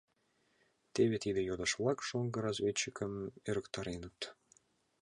Теве тиде йодыш-влак шоҥго разведчикым ӧрыктареныт.